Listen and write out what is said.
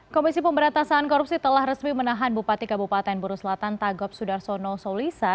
komisi pemberantasan korupsi telah resmi menahan bupati kabupaten buru selatan tagop sudarsono solisa